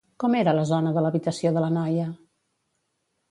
Com era la zona de l'habitació de la noia?